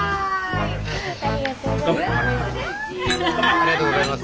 ありがとうございます。